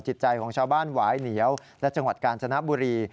จิตใจของชาวบ้านหวายเหนียวและจังหวัดกาญจนบุรี